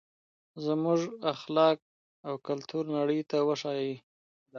زموږ اخلاق او کلتور نړۍ ته وښایئ.